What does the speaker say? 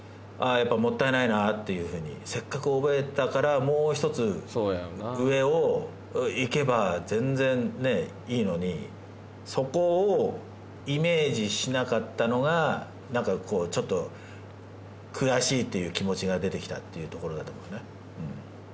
やっぱもったいないなっていうふうにせっかく覚えたからもう一つ上をいけば全然いいのにそこをイメージしなかったのがなんかこうちょっとってところだと思うのね